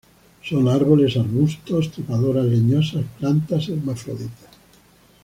Son árboles, arbustos, trepadoras leñosas; plantas hermafroditas.